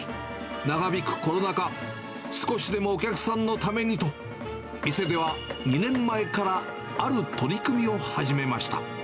長引くコロナ禍、少しでもお客さんのためにと、店では２年前からある取り組みを始めました。